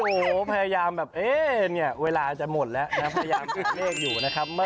วันนี้พยายามแบบเวลาจะหมดแล้วพยายามขึ้นเลขอยู่นะครับ